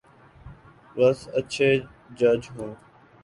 بس اچھے جج ہوں۔